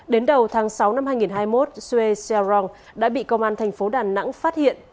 đến đầu tháng sáu năm hai nghìn hai mươi một suez sialong đã bị công an thành phố đà nẵng phát hiện